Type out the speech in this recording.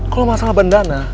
kalau masalah bandana